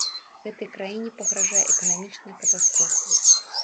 Гэтай краіне пагражае эканамічная катастрофа.